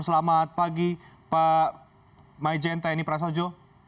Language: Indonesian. selamat pagi pak maijen tni prasojo